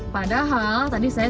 padahal tadi saya